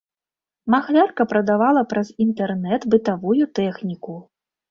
Махлярка прадавала праз інтэрнэт бытавую тэхніку.